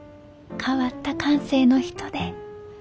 変わった感性の人で。